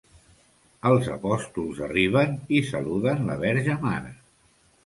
Els apòstols arriben i saluden la Verge Mare.